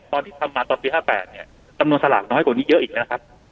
ตอนที่ทำมาตอนปี๕๘เนี่ยจำนวนสลากน้อยกว่านี้เยอะอีกแล้วครับ